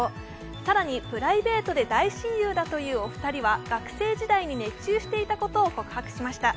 更に、プライベートで大親友だというお二人は学生時代に熱中していたことを告白しました。